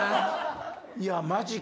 いやマジか。